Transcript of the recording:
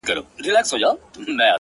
د يوسفي ښکلا چيرمنې نوره مه راگوره ـ